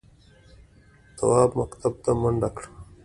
تواب مکتب ته منډه کړه.